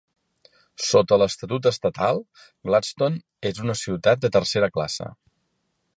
Sota l'estatut estatal, Gladstone és una ciutat de tercera classe.